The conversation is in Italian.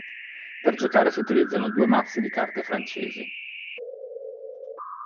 Per giocare si utilizzano due mazzi di carte francesi.